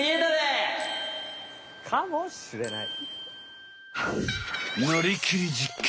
かもしれない。